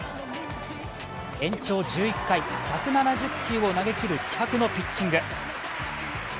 延長１１回、１７０球を投げきる気迫のピッチング。